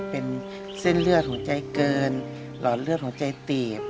เป็นเส้นเลือดหัวใจเกินหลอดเลือดหัวใจตีบ